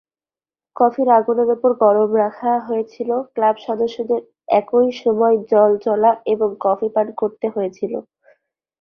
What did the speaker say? Coffee আগুনের উপরে গরম রাখা হয়েছিল; ক্লাব সদস্যদের একই সময়ে জল চলা এবং কফি পান করতে হয়েছিল।